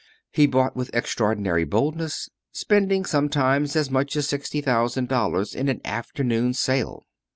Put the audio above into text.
He bought with extraordinary boldness, spending sometimes as much as sixty thousand dollars in an afternoon's sale.